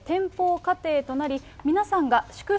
家庭となり、皆さんが祝福